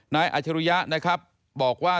นายอาชารุยะนะครับบอกว่า